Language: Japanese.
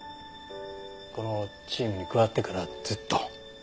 このチームに加わってからずっと。